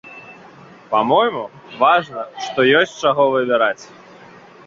Па-мойму, важна, што ёсць з чаго выбіраць.